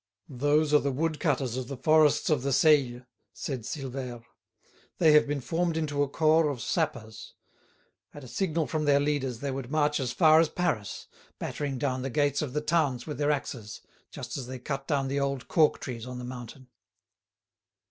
"Those are the woodcutters of the forests of the Seille," said Silvère. "They have been formed into a corps of sappers. At a signal from their leaders they would march as far as Paris, battering down the gates of the towns with their axes, just as they cut down the old cork trees on the mountain."